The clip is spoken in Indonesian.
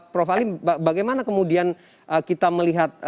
prof alim bagaimana kemudian kita melihat